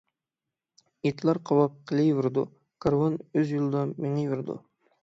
ئىتلار قاۋاپ قېلىۋېرىدۇ، كارۋان ئۆز يولىدا مېڭىۋېرىدۇ.